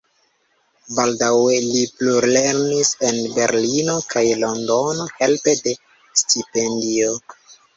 Baldaŭe li plulernis en Berlino kaj Londono helpe de stipendio.